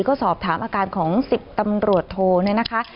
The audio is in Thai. ก็สอบถามอาการของ๑๐ตำรวจโทเนี่ยนะคะ